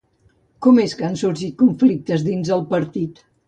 Com és que han sorgit conflictes dins el partit?